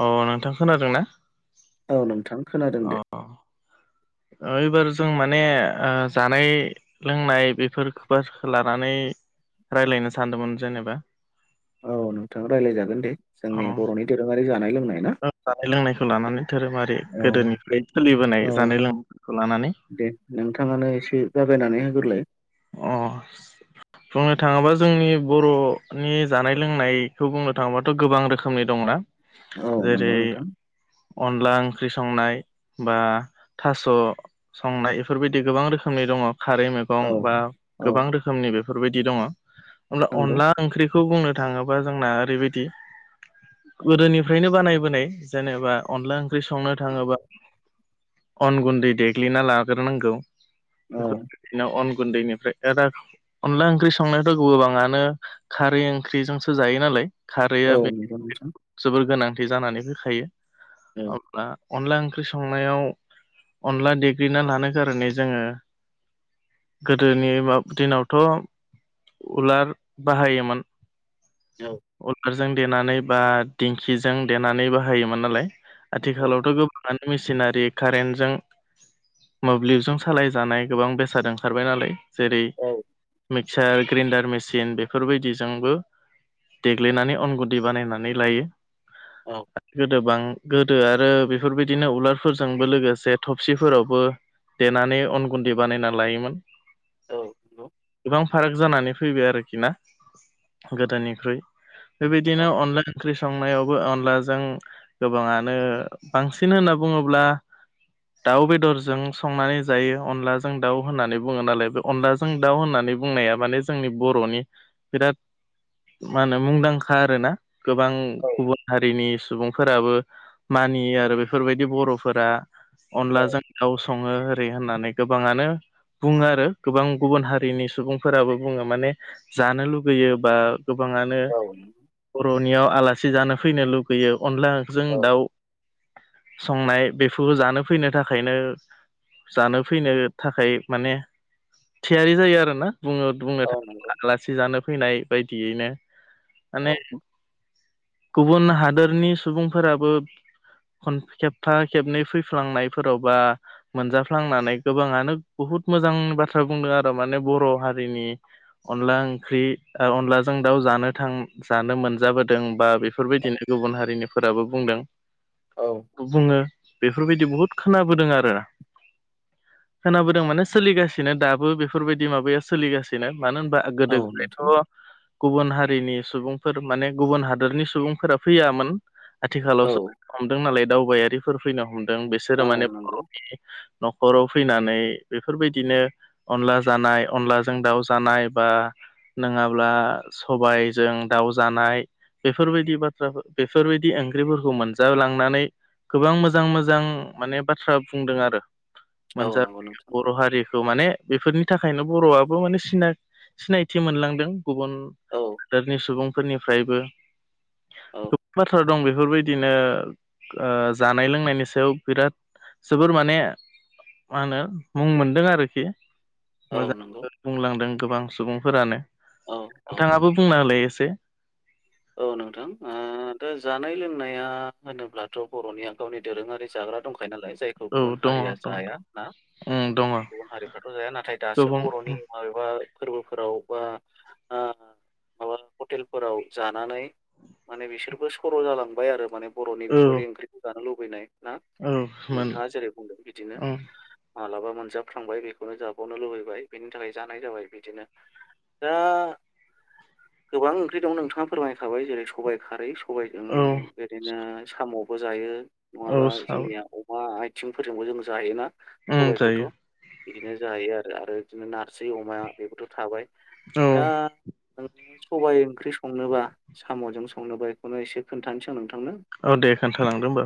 ओ नोंथां खोनादों ना? औ नोंथां खोनादों दे। ओइबार जों माने ओ जानाय लोंनाय बेफोर फोरखो लानानै रायज्लायनो सानदोंमोन जेनेबा। औ नोंथां रायज्लायजागोन दे अ जोंनि ओ बर'नि दोरोङारि जानाय लों जानाय लोंनायखौ लानानै धोरोमारि औ गोदोनिफ्राय औ सोलिबोनाय जानाय लोंनायखौ लानानै। दे नोंथाङानो एसे जागायनानै होग्रोलाय अ बुंनो थाङोबा जोंनि बर'नि जानाय लोंनायखौ बुंनो थाङोबाथ' गोबां रोखोमनि दंना? औ नंगौ जेरै नोंथां अनला ओंख्रि संनाय बा थास' संनाय बेफोरबायदि गोबां रोखोमनि दङ खारै मगं औ बा औ गोबां रोखोमनि बेफोरबायदि दङ होमब्ला नंगौ अनला ओंख्रिखौ बुंनो थाङोबा जोंना ओरैबायदि गोदोनिफ्रायनो बानायबोनाय जेनेबा अनला ओं ख्रि संनो थाङोबा अन गुन्दै देग्लिना लाग्रोनांगौ। औ [unintelligible] अन गुन्दैनिफ्राय एदा अनला ओंख्रि संनायाथ' गोबाङानो खारै ओंख्रिजोंसो जायो नालाय। खारैआ औ बे नंगौ नोंथां जोबोर गोनांथि जानानै फैखायो औ अब्ला अनला ओंख्रि संनायाव अनला देग्लिना लानो गारनै जोङो गोदोनि म दिनावथ' उलार बाहायोमोन औ उदारजों देनानै बा दिंखिजों देनानै बाहायोमोन नालाय औ आथिखालावथ' गोबाङानो सिनारि कारेन्टजों मोब्लिबजों सालायजानाय गोबां बेसाद ओंखारबाय नालाय जेरै मिक्सार ग्रेन्डार मेसिन बेफोरबायदिजोंबो देग्लिनानै अन गुदि बानायनानै लायो औ आरो गोदोबां गोदो आरो बेफोरबायदिनो उलारफोरजोंबो लोगोसे थबसिफोरावबो देनानै अन गुन्दै बानायना लायोमोन औ नंगौ गोबां। फाराग जानानै फैबाय आरोखि ना गोदोनिख्रुइ बेबायदिनो औ अनला ओंख्रि संनायावबो अनलाजों गोबांङानो बांसिन होन बुंङोब्ला दाउ बेदरजों संनानै जायो अनलाजों दाउ होननानै बुङो नालाय बे अनलाजों दाउ होननानै बुंनाया माने जोंनि बर'नि बिराद मा होनो मुंदांखा आरो ना गोबां औ गुबुन हारिनि सुबुंफोराबो मानियो आरो बेफोरबायदि बर'फोरा अनलाजों दाउ संङो ओरै होननानै गोबांङानो बुंङो आरो गोबां गुबुन हारिनि सुबुंफोराबो बुङो माने जानो लुगैयो बा गोबांङानो औ नंगौ। बर'नियाव आलासि जानो फैनो लुगैयो अनलाजों औ दाउ संनाय बेफोरबो जानो फैनो थाखायनो जानो फैनो थाखाय माने थियारि जायो आरोना बुङ बुंनो औ थां नंगौ आलासि जानो फैनाय बेबायदिनो औ माने गुबुन हादोरनि सुबुंफोराबो खन खेबथा खेबनै फैफ्लांनायफोराव बा मोनजाफ्लांनानै गोबांङानो बुहुत मोजां बाथ्रा बुंदों आरो माने बर' हारिनि अनला ओंख्रि अनलाजों दाउ जानो थां जानो मोनजाबोदों बा बेफोरबायदिनो गुबुन हारिनिफोराबो बुंदों। औ बुंङो। बेफोरबायदि बहुद खोनाबोदों आरो खोनाबोदों माने सोलिगासिनो दाबो बेफोरबायदि माबाया सोलिगासिनो मानो होनबा औ गोदो नोंथां गोदायथ' गुबुन हारि हारिनि सुबुंफोर माने गुबुन हादरनि सुबुंफोरा फैयामोन आथिखालावसो औ फनो हमदों नालाय दावबायारिफोर फैनो हमदों बिसोरो औ माने नंगौ बर'नि न'खराव फैनानै बेफोरबायदिनो अनला जानाय अनलाजों दाउ जानाय बा नंङाब्ला सबायजों दाउ जानाय। बेफोरबायदि बाथ्रा बेफोरबायदि ओंख्रिफोरखौ मोनजालांनानै गोबां मोजां मोजां माने बाथ्रा बुंदों आरो औ मोनजा नंगौ नोंथां बर' हारिखौ माने बेफोरनि थाखायनो बर'आबो माने सिनायथि मोनलांदों। गुबुन औ हादोरनि सुबुंफोरनिफ्रायबो औ गोबां बाथ्रा दं बेफोरबायदिनो जानाय लोंनायनि सायाव बिराद जोबोर माने मा होनो मुं मोनदों आरोखि औ नंगौ मोजाङ बुंलांदों गोबां सुबुंफोरानो औ औ नोंथांङाबो बुंना होलाय एसे औ नोंथां दा जानाय लोंनाया होनोब्लाथ' बर'निया गावनि दोरोंङारि जाग्रा दंखायो। नालाय जायखौ औ गुबुन दङ हारिया दङ जाया ना उम दङ गुबुन हारिफ्राथ' जाया नाथाय दासो गोबां बर'नि माबेबा फोरबोफोराव बा माबा हटेलफोराव जानानै माने बिसोरबो सर' जालांबाय आरो माने बर'नि औ बेफोरबायदि ओंख्रिखौ जानो लुबैनाय। ना औ मोन नोंथांङा जेरै बुंदों बिदिनो उम माबलाबा मोनजाबख्रांबाय बेखौनो जाबावनो लुुबैबाय बेनि थाखाय जानाय जाबाय बिदिनो दा गोबां ओंख्रि दं नोंथाङा फोरमायखाबाय जेरै सबायाइ खारै सबायजों औ बिओरैनो साम'बो जायो। औ नङाबा साबो जोंनिया अमा आथिंफोरजोंबो जों जायोना? उम सबाइखौथ' जायो। बिदिनो जायो आरो आरो बिदिनो नाजि अमा बेबोथ' थाबाय औ दा नोंङो सबायाइ ओंख्रि संनोबा सामुजों संनोबा बेखौनो एसे खोन्थानोसै नोंथां। औ दे खोनथालांदो ओमबा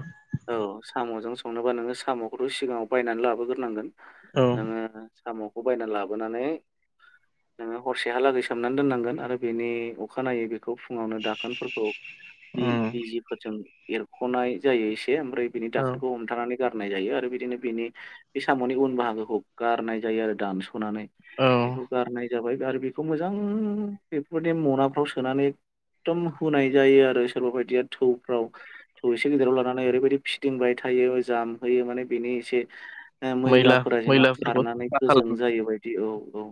औ साम'जों संनोबा नोङो साम'खौथ' सिगांङाव बायनानै लाबोग्रोनांगोन औ नोङो सामु बायना लाबोनानै नोङो हरसेहालागै सोमनानै दोननांगोन आरो बेनि अखानायैबो फुङावनो दाखोनफोरखौ उम बिजिफोरजों एरखनाय जायो। [unintelligible] ओमफ्राय बिनि औ दाखोनखौ हमथानानै गारनाय जायो आरो बिदिनो बेनि बे साम'नि उन बाहागोखौ गारनाय जायो आरो दानस नानै औ बेखौ गारनाय जाबाय आरो बेखौ मोजां बेफोरबायदि मनाफ्राव सोनानै एखदम हुनाय जायो आरो सोरबा बायदिया थौफ्राव थौ एसे गिदिराव लानानै ओरैबायदि फिदिं बाय थायो जामहैयो माने बेनि एसे मैला मैलाफोरा जेन' मैलाफोरखौ खारनानै साफा गोजों खालाम जायो बायदि औ औ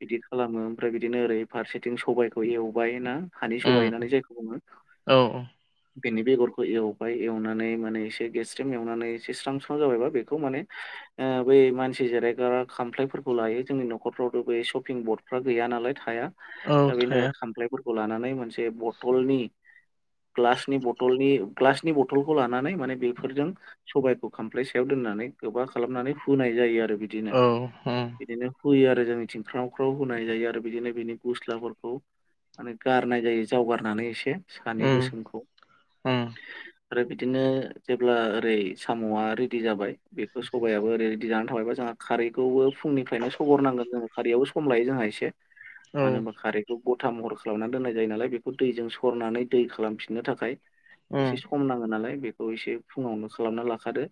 बिदि खालामो। ओमफ्राय बिदिनो ओरै फारसेथिं सबायाइखौ एवबाय ना हानि उम सबाय होननानै जायखौ बुङो। औ बेनि बेगरखौ एवबाय एवनानै माने एसे गेस्रेम एवनानै एसे स्रां स्रां जाबायबा बेखौ माने ओ बै मानसि जिरायग्रा खामफ्लायफोरखौ लायो जोंनि न'खरफ्रावथ' बे शपिं बटफ्रा गैया नालाय थाया। औ औ दा बेनि थाया थाखाय खामफ्लायफोरखौ लानानै मोनसे बथलनि ग्लासनि बथलनि ग्लासनि बथलखौ लानानै माने बेफोरजों सबायाइखौ खामफ्लाय सायाव दोन होनानै गोबा खालामनानै फुनाय जायो आरो बिदिनो औ उम बिदिनो। होयो आरो जोंनिथिं ख्रावख्राव होनाय जायो आरो बिदिनो बिनि गस्लाफोरखौ माने गारनाय जायो जावगारनानै एसे सानि उम गोसोमखौ उम आरो बिदिनो जेब्ला ओरै साम'आ रेडि जाबाय बेखौ सबायाइयाबो ओरै रेडि जानानै थाबायबा जोंहा खारैखौबो फुंनिफ्रायनो सगरनांगोन जोङो खारैयावबो सम लायो जोंहा एसे औ मानो होनबा खारैखौ गथा महर खालामना दोननाय जायो नालाय बेखौ दैजों सरनानै दै खालामफिननो थाखाय एसे उम सम नाङो नालाय बेखौ एसे फुङावनो खालामना लाखादो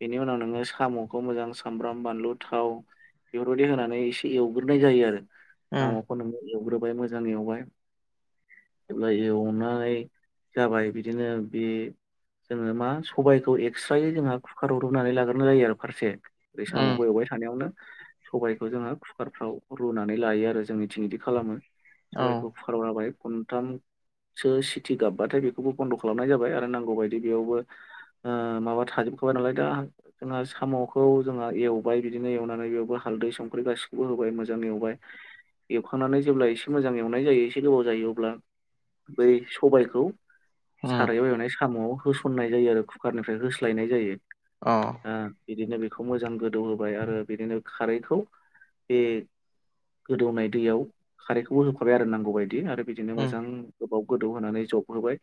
बेनि उनाव नोङो साम'खौ मोजां सामब्राम बानलु थाव [inaudible] बेफोरबायदि होनानै एसे एवग्रोनाय जायो आरो उम सामुखौ नोंओ एवग्रोबाय मोजां एवबाय [inaudible] जेब्ला एवनाय जाबाय बिदिनो बे जोङो मा सबाइखौ एक्सट्रायै जोंहा कुकाराव रुनानै लाग्रोनाय जायो आरो फारसे ओरै उम साम'खौ एवबाय थानायावनो। सबायाइखौ जोङो कुकारफ्राव रुनानै लायो आरो जोंनिथिं इदि खालामो। औ होबाय खनथाम सो सिटि गाबबाथाय बेखौबो बन्द' खालामनाय जाबाय आरो नांगौ बायदि बेयावबो माबा थाजोबखाबाय नालाय दा जोंहा साम'खौ जोंहा एवबाय बिदिनो एवनानै बेयावबो हालदै संख्रि गासिखौबो होबाय मोजां एवबाय एवखांनानै जेब्ला एसे मोजां एवनाय जायो। एसे गोबाव जायो अब्ला बै सबायखौ उम सारायाव एवनाय साम' होसननाय जायो आरो कुकारनिफ्राय होस्लायनाय जायो। अ ओ बिदिनो बेखौ मोजां गोदौ होबाय आरो बिदिनो खारैखौ बे गोदौनाय दैयाव खारैखौबो होखाबाय आरो नांगौ बायदि आरो बिदिनो उम मोजां गोबाव। गोदौहोनै जबहोबाय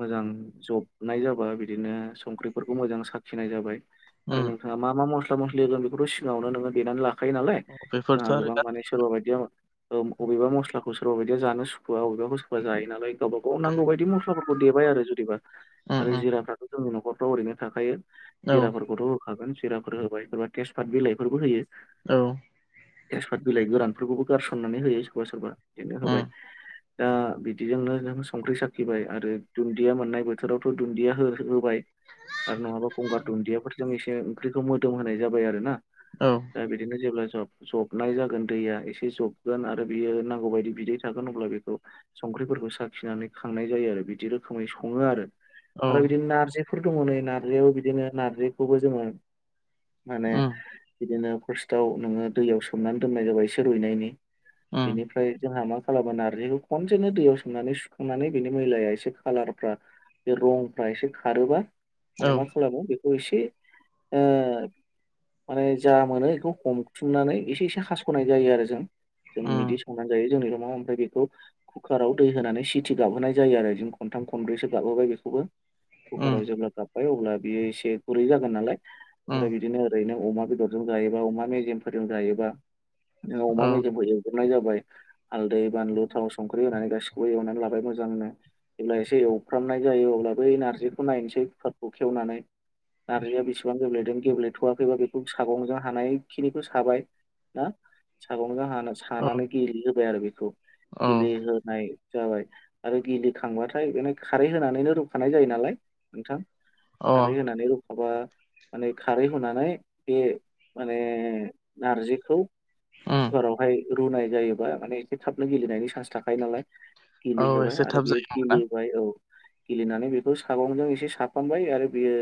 मोजां जबनाय जाबा बिदिनो संख्रिफोरखौ मोजां साखिनाय जाबाय। आरो उम नोंथाङा मा मा मस्ला मस्लि होगोन बेखौथ' सिगाङावनो नोङो देनानै ला खायो नालाय बेफोरथ' जोंहा आरो गोबां माने सोरबा बायदिया ओ बबेबा मस्लाखौ सोरबाबायदिया जानो सुखुआ अबेबाखौ सोरबा जायोनालाय गावबा गाव नांगौ बायदि मस्लाफोरखौ देबाय आरो जुदिबा उम आरो उम जिराफ्राथ' जोंनि न'खरफ्राव ओरैनो थाखायो औ जिराफोरखौथ' होखागोन जिराफोर होबाय सोरबा तेसपात बिलाइफोरबो होयो। औ तेसफात बिलाइ गोरानफोरखौबो गारसननानै होयो सोरबा सोरबा बिदिनो होबाय। उम दा बिदिजोंनो जों संख्रि साखिबाय आरो दुन्दिया मोननाय बोथोरावथ' दुन्दिया हो-होबाय। आरो नङाबा गंगार दुन्दियाफोरजों एसे ओंख्रिखौ मोदोम होनाय जाबाय आरो ना। औ दा बिदिनो जेब्ला ज-जबनाय जागोन दैया एसे जबगोन आरो बियो नांगौ बायदि बिदै थागोन अब्ला बेखौ संख्रिफोरखौ साखिनानै खांनाय जायो आरो बिदि रोखोमै सङो आरो औ आरो बिदिनो नारजिफोर दङ नै नारजियावबो बिदिनो नारजिखौबो जोङो माने उम बिदिनो फार्स्टाव नोङो दैयाव सोमनानै दोननाय जाबाय एसे रुइनायनि उम बेनिफ्राय जोंहा मा खालामो नारजिखौ खनसेनो दैयाव सोमनानै सुखांनानै बिनि मैलाया एसे खालारफ्रा बे रंफ्रा एसे खारोबा औ माने मा खालामो बेखौ एसे ओ माने जा मोनो बेखौ हमथुमनानै एसे एसे हास'नाय जायो आरो जों। जों बिदि उम संनानै जायो जोंनि रुमाव ओमफ्राय बेखौ कुकाराव दै होनानै सिथि गाबहोनाय जायो आरो बिनो खनथाम खनब्रैसो गाबहोबाय बेखौबो। उम कुकाराव जेब्ला गाबबाय अब्ला बियो एसे गुरै जागोन नालाय उम ओमफ्राय बिदिनो ओरैनो अमा बेदरजों जायोबा अमा मेजेम फोरजों जायोबा ओ अमा औ मेजेमखौ एवग्रोनाय जाबा य हालदै बानलु थाव संख्रि होनानै गासिखौबो एवनानै लाबाय मोजांनो जेब्ला एसे एवफ्रामनाय जायो अब्ला बै ना रजिखौ नायनोसैफोरखौ खेवनानै नार्जिया बेसेबां गेब्लेदों गेब्लेथ'वाखैबा बेखौ सागंजों हानायखिनिखौ साबाय। ना सागनखौ हाना औ सानानै गिलिहोबाय आरो बेखौ औ गिलिहोनाय जाबाय आरो गिलिखांबाथाय बेनो खारै होनानैनो रुखानाय जायो नालाय नोंथां। अ खारै होनानै रु खाबा माने खारै होनानै बे माने नारजिखौ उम कुकारावहाय रुनाय जायोबा माने एसे थाबनो गिलिनायनि चान्स थाखायो नालाय। औ गिलिहोबाय एसे आरो थाब बियो जायो नामा गिलिहोबाय औ गिलिनानै बेखौ सागंजों एसे साफामबाय आरो बियो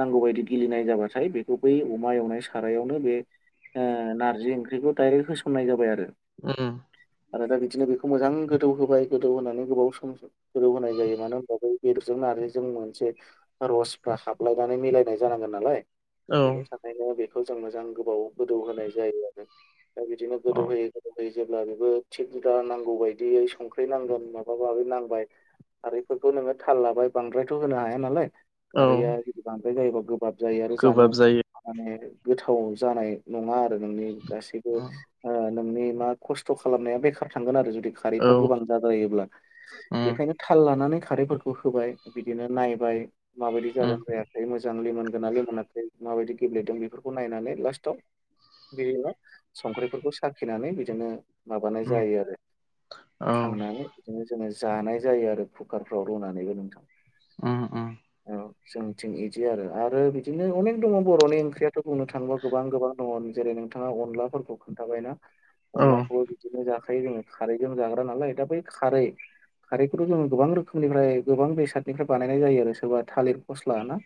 नांगौ बायदि गिलिनाय जाबाथाय बेखौ बै अमा एवनाय सारायावनो बे ओ नारजि ओंख्रिखौ दडाइरेक्ट होसननाय जाबाय आरो। उम आरो दा बिदिनो बेखौ मोजां गोदौ होबाय गोदौ होनानै गोबाव सम गोदौ होनाय जायो मानो होनबा बे बेदरजों खारैजों मोनसे रसफ्रा हाबलायनानै मिलायनाय जानांगोन नालाय। औ बेनि थाखायनो बे खौ जों मोजां गोबाव गोदौ होनाय जायो आरो दा बिदिनो गोदौ अ होयै गोदौ होयै जेब्ला बेबो थिग दा नांगौ बायदियै संख्रि नांगोन माबा माबि नांबाय खारैफोरखौ नोङो थाल लाबाय बांद्रायथ' होनो हाया नालाय। औ खारैआ जुदि बांद्राय जायोबा गोबाब जायो आरो जानो गोबाब जायो माने गोथाव जानाय नङा आरो नोंनि गासैबो उम ओ नोंनि मा खस्थ खालामनाया बेखार थांगोन आरो जुदि औ खारैफ्रा गोबां जाद्रायोब्ला उम बेखायनो थाल लानानै खारैफोरखौ होबाय बिदिनो नायबाय माबायदि जादों उम जायाखै मोजां मोजां लेमोनगोन ना लेमोनाखै माबायदि गेब्लेदों बेफोरखौ नायनानै लास्टआव बिदिनो संख्रिफोरखौ साखिनानै बिदिनो माबानाय उम जायो आरो औ खांनानै बिदिनो जोङो जानाय जायो आरो कुकारफ्राव रुनानैबो नोंथां। उम उम औ जोंथिं इदि आरो। आरो बिदिनो अनेक दङ बर'नि ओंख्रियाथ' बुंनो थाङोबा गोबां गोबां दङ। जेरै नोंथाङा अनलाफोरखौ खोन्थाबायना औ अनलाखौबो बिदिनो जाखायो जोङो खारैजों जाग्रा नालाय। दा बै खारै खारैखौथ' जोङो गोबां रोखोमनिफ्राय गोबां बेसादनिफ्राय बानायनाय जायो आरो। सोरबा थालिर फस्ला ना?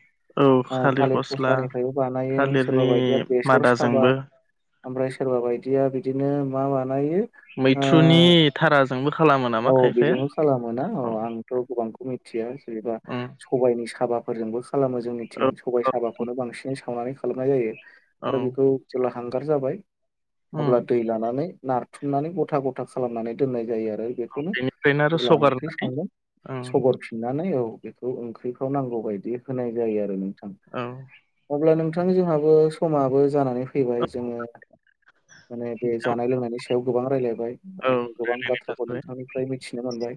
औ ओ थालिर फस्ला फस्लानिफ्रायबो बानायो सोरबा थालिरनि बायदिया बेसर साबा। मादाजोंबो ओमफ्राय सोरबा बायदिया बिदिनो मा बानायो? ओ मैथ्रुनि थाराजोंबो खालामो नामा औ खायफाया बेजोंबो खालामोना औ आंथ' गोबांखौ मिथ थिया जेनेबा उम सबायनि साबाफोरजोंबो खालामो जोंनिथिं। औ सबाय औ साबाखौनो बांसिन सावनानै खालामनाय जायो। औ आरो बेखौ जेब्ला हांगार जाबाय उम अब्ला दै लानानै नार थुमनानै गथा गथा खालामनानै दोननाय जायो आरो। ओ बेखौनो बेनिफ्रायनो आरो जेब्ला ओंख्रि सगारनानै संगोन उम सहरफिननानै औ। बेखौ ओंख्रिखौ नांगौ बायदि होनाय जायो आरो नोंथा औ अब्ला नोंथां जोंहाबो समाबो जानानै फैबाय जोङो माने बे जानाय लोंनायनि सायाव गोबां रायलाय बाय औ आं गोबां रायलायनाय बाथ्राखौ जाबाय नोंथांनिफ्राय मिथिनो मोनबाय।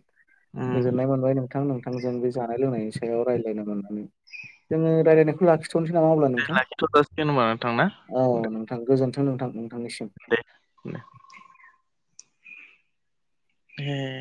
उम गोजोननाय मोनबाय नोंथां नोंथ थांजों बे जानाय लोंनायनि सायाव रायलायनो मोननानै। जोङो रायलायनायखौ लाखि थनोसै नामा अब्ला दे नोंथां? लाखिथ' जासिगोन होनबा नोंथां ना औ दे नोंथां गोजोनथ थां नोंथां नोंथांनिसिम। दे ए